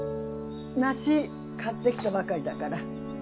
梨買ってきたばかりだから。